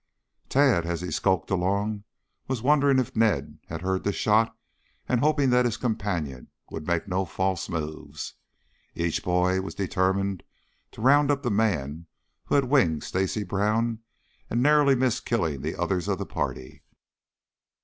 Tad, as he skulked along, was wondering if Ned had heard the shot and hoping that his companion would make no false moves. Each boy was determined to round up the man who had winged Stacy Brown and narrowly missed killing the others of the party.